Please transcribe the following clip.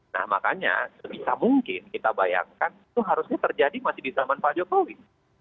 nah makanya sebisa mungkin kita bayangkan itu harusnya terjadi masih di zaman pak jokowi